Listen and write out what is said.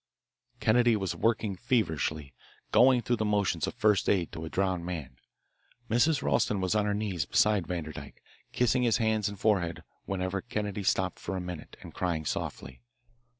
Kennedy was working feverishly, going through the motions of first aid to a drowned man. Mrs. Ralston was on her knees beside Vanderdyke, kissing his hands and forehead whenever Kennedy stopped for a minute, and crying softly.